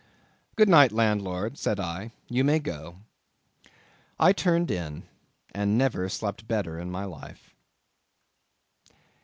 "Good night, landlord," said I, "you may go." I turned in, and never slept better in my life.